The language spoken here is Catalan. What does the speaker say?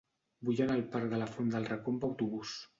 Vull anar al parc de la Font del Racó amb autobús.